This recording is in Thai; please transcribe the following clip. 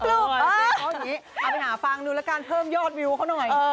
เอาอย่างนี้เอาไปหาฟังดูแล้วกันเพิ่มยอดวิวเขาหน่อย